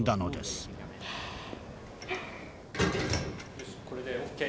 ・よしこれでＯＫ。